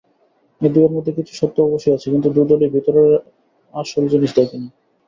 এ দুয়ের মধ্যে কিছু সত্য অবশ্যই আছে, কিন্তু দু-দলেই ভেতরের আসল জিনিষ দেখেনি।